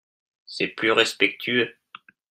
C'est plus respectueux.